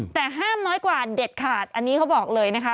แต่ห้ามน้อยกว่าเด็ดขาดอันนี้เขาบอกเลยนะคะ